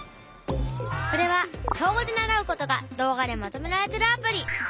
これは小５で習うことが動画でまとめられてるアプリ。